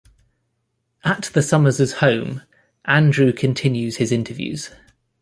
At the Summers' home, Andrew continues his interviews.